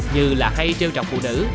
như là hay treo trọc phụ nữ